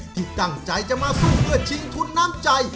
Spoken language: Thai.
ที่ตั้งใจจะมาสู้เพื่อชิงทุนน้ำใจ